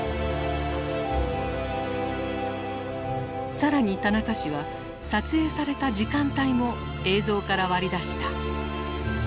更に田中氏は撮影された時間帯も映像から割り出した。